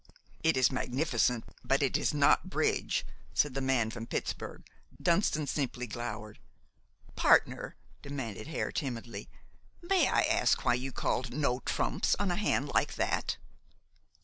"It is magnificent; but it is not bridge," said the man from Pittsburg. Dunston simply glowered. "Partner," demanded Hare timidly, "may I ask why you called 'no trumps' on a hand like that?"